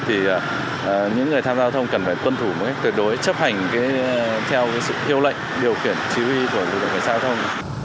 thì những người tham giao thông cần phải quân thủ một cách tuyệt đối chấp hành theo sự yêu lệnh điều khiển chỉ huy của lực lượng giao thông